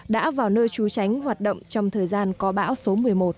đã vào nơi trú tránh hoạt động trong thời gian có bão số một mươi một